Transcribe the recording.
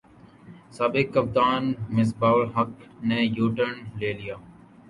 سابق کپتان مصباح الحق نے یوٹرن لے لیا